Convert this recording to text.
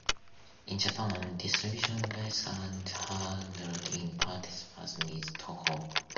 In Japan, distribution rights are handled in partnership with Toho.